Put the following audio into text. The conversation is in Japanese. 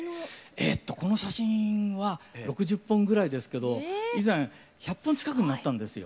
えっとこの写真は６０本ぐらいですけど以前１００本近くになったんですよ。